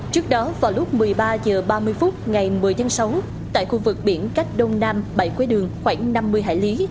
trước đó vào lúc một mươi ba h ba mươi phút ngày một mươi tháng sáu tại khu vực biển cách đông nam bảy quấy đường khoảng năm mươi hải lý